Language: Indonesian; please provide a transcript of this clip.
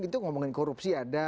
itu ngomongin korupsi ada